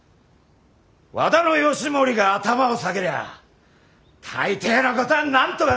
和田義盛が頭を下げりゃあ大抵のことはなんとかなる。